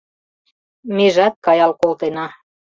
Межат каял колтена